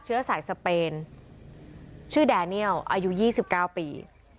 เชื้อสายสเปนชื่อแดเนียลอายุ๒๙ปี